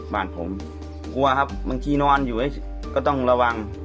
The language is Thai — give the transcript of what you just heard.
บ้านผมกลัวครับบางทีนอนอยู่ก็ต้องระวัง